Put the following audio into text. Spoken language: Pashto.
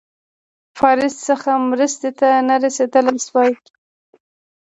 پاریس څخه مرستي ته نه رسېدلای سوای.